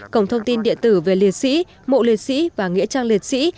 cổng thông tin điện tử về liệt sĩ mộ liệt sĩ và nghĩa trang liệt sĩ